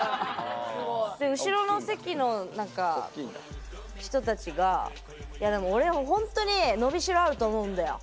後ろの席の人たちが俺、本当に伸びしろあると思うんだよ。